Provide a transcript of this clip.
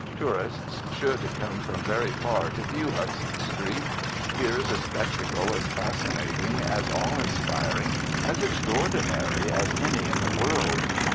Tourists should come from very far to view Hudson Street. Here is a spectacle as fascinating, as awe inspiring, as extraordinary as any in the world.